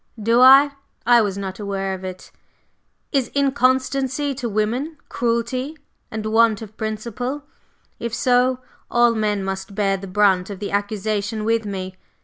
"Do I? I was not aware of it. Is inconstancy to women cruelty and want of principle? If so, all men must bear the brunt of the accusation with me.